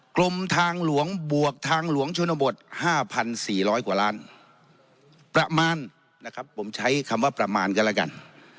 กรมทางหลวงบวกทางหลวงชนบท๕๔๐๐กว่าล้านประมาณนะครับผมใช้คำว่าประมาณกันแล้วกัน